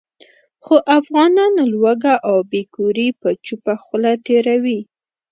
خو افغانان لوږه او بې کوري په چوپه خوله تېروي.